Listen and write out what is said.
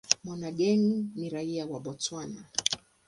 Monageng ni raia wa Botswana.